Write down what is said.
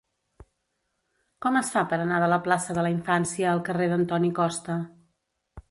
Com es fa per anar de la plaça de la Infància al carrer d'Antoni Costa?